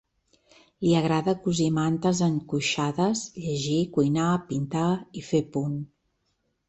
Li agrada cosir mantes enconxades, llegir, cuinar, pintar i fer punt.